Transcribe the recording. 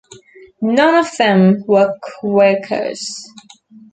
None of them were Quakers.